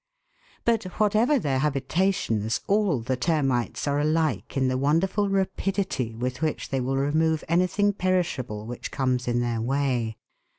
But, whatever their habitations, all the termites are alike in the wonderful rapidity with which they will remove anything perishable which comes in their way.